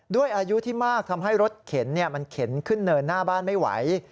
ด้วยอายุที่มากทำให้รถเข็นมันเข็นขึ้นเนินหน้าบ้านไม่ไหว